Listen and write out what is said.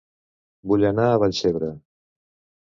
Vull anar a Vallcebre